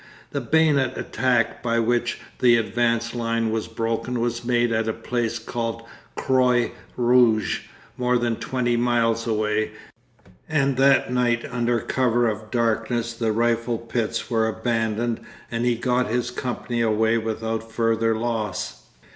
The bayonet attack by which the advanced line was broken was made at a place called Croix Rouge, more than twenty miles away, and that night under cover of the darkness the rifle pits were abandoned and he got his company away without further loss.